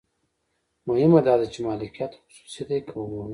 مهمه دا ده چې مالکیت خصوصي دی که عمومي.